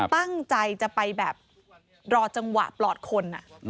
ตั้งใจจะไปแบบรอจังหวะปลอดคน